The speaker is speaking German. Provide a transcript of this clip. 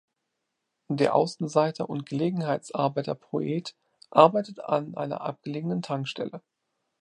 Der Außenseiter und Gelegenheitsarbeiter Poet arbeitet an einer abgelegenen Tankstelle.